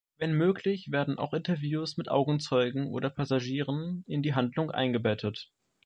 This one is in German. Wenn möglich, werden auch Interviews mit Augenzeugen oder Passagieren in die Handlung eingebettet.